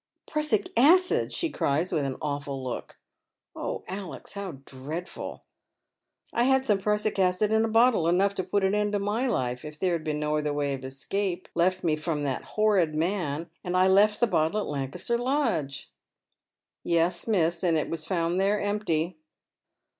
" Prussic acid !" she cries, with an awful look. " Oh, Alex, how dreadful I I had some prussic acid in a bottle, enough to put an end to my life if there had been no other way of escape left me from that honid man, and I left the bottle at Lancaster Lodge." " Yes, miss, and it was found there empty."